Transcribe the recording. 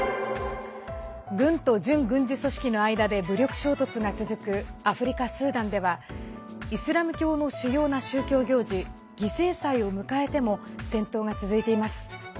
軍と準軍事組織の間で武力衝突が続くアフリカ・スーダンではイスラム教の主要な宗教行事犠牲祭を迎えても戦闘が続いています。